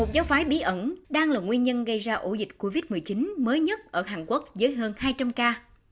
giáo phái bí ẩn đang là nguyên nhân gây ra ổ dịch covid một mươi chín mới nhất ở hàn quốc với hơn hai trăm linh ca